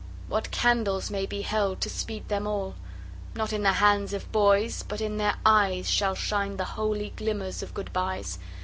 What candles may be held to speed them all? Not in the hands of boys, but in their eyes Shall shine the holy glimmers of good byes.